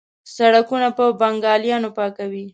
سړکونه په بنګالیانو پاکوي.